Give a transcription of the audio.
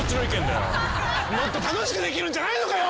もっと楽しくできるんじゃないのかよ！